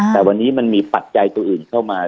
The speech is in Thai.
แต่วันนี้มันมีปัจจัยตัวอื่นเข้ามา